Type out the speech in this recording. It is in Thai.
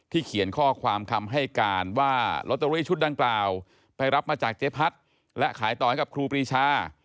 เขียนข้อความคำให้การว่าลอตเตอรี่ชุดดังกล่าวไปรับมาจากเจ๊พัดและขายต่อให้กับครูปรีชา